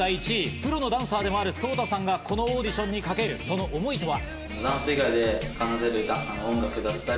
プロのダンサーでもあるソウタさんがこのオーディションにかけるその思いとは。